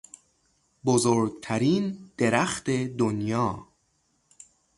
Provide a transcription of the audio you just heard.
بزرگترین درخت دنیا